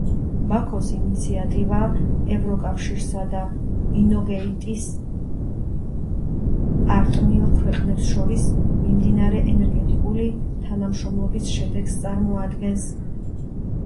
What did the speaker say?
ბაქოს ინიციატივა ევროკავშირსა და ინოგეიტის პარტნიორ ქვეყნებს შორის მიმდინარე ენერგეტიკული თანამშრომლობის შედეგს წარმოადგენს.